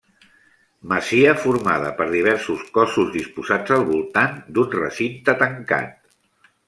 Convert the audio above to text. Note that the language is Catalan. Masia formada per diversos cossos disposats al voltant d'un recinte tancat.